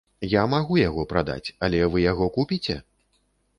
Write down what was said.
Я магу яго прадаць, але вы яго купіце?